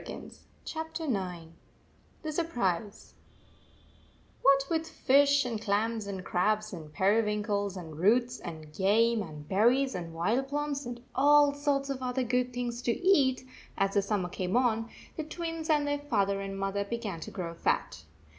IX THE SURPRISE IX THE SURPRISE WHAT with fish and clams and crabs and periwinkles and roots and game and berries and wild plums and all sorts of other good things to eat, as the summer came on, the Twins and their father and mother began to grow fat.